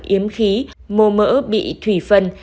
yếm khí mô mỡ bị thủy phân